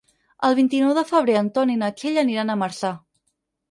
El vint-i-nou de febrer en Ton i na Txell aniran a Marçà.